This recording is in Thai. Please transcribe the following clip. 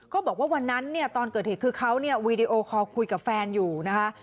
บอกว่าวันนั้นเนี่ยตอนเกิดเหตุคือเขาเนี่ยวีดีโอคอลคุยกับแฟนอยู่นะคะ